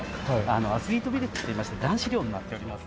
アスリートビレッジといいまして男子寮になっております。